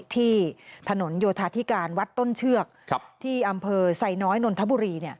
ที่ถนนโยธาธิการวัดต้นเชือกที่อำเภอไซน้อยนนทบุรี